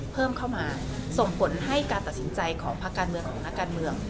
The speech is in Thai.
เพิ่มเข้ามาส่งผลให้การตัดสินใจของภาคการเมืองของนักการเมือง